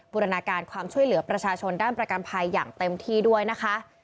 บุรณาการความช่วยเหลือประชาชนด้านประกันภัยอย่างเต็มที่ด้วยนะคะ